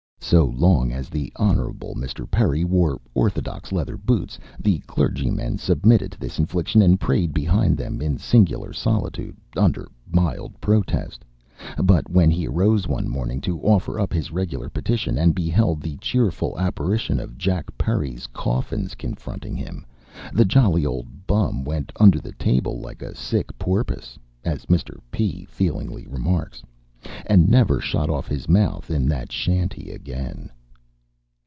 So long as the Hon. Mr. Perry wore orthodox leather boots the clergyman submitted to this infliction and prayed behind them in singular solitude, under mild protest; but when he arose one morning to offer up his regular petition, and beheld the cheerful apparition of Jack Perry's coffins confronting him, "The jolly old bum went under the table like a sick porpus" (as Mr. P. feelingly remarks), "and never shot off his mouth in that shanty again."